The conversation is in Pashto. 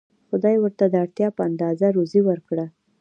خدای ورته د اړتیا په اندازه روزي ورکړه.